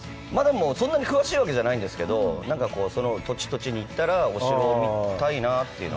そんなに詳しいわけじゃないんですけど、その土地、土地に行ったらお城を見たいなというのは。